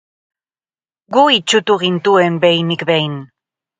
Gu itsutu gintuen behinik behin.